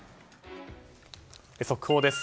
速報です。